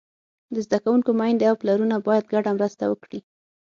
د زده کوونکو میندې او پلرونه باید ګډه مرسته وکړي.